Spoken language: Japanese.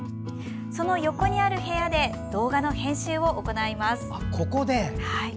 その横にある部屋で動画の編集を行います。